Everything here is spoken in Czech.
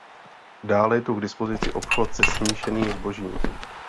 Dále je tu k dispozici obchod se smíšeným zbožím.